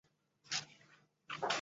董事会的人数多寡不一。